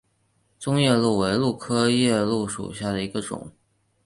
棕夜鹭为鹭科夜鹭属下的一个种。